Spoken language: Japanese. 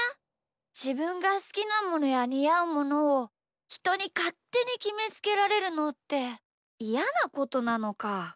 じぶんがすきなものやにあうものをひとにかってにきめつけられるのっていやなことなのか。